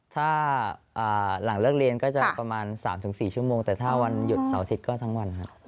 ถ้าหลังเลิกเรียนก็จะประมาณ๓๔ชั่วโมงแต่ถ้าวันหยุดเสาร์อาทิตย์ก็ทั้งวันครับ